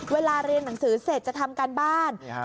เวลาเรียนหนังสือเสร็จจะทำการบ้าน